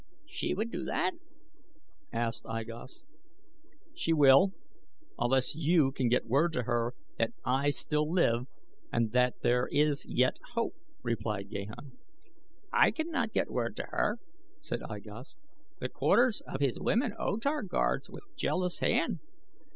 "She would do that?" asked I Gos. "She will, unless you can get word to her that I still live and that there is yet hope," replied Gahan. "I cannot get word to her," said I Gos. "The quarters of his women O Tar guards with jealous hand.